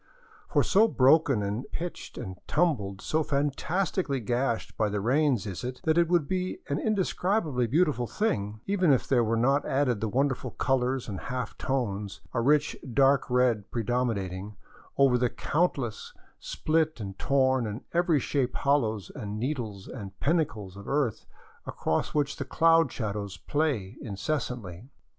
For so broken and pitched and tumbled, so fantastically gashed by the rains is it, that it would be an indescribably beautiful thing, even if there were not added the wonderful colors and half tones, a rich dark red pre 498 THE COLLASUYU, OR " UPPER " PERU dominating, over the countless split and torn and every shape hollows and needles and pinnacles of earth across which the cloud shadows play incessantly.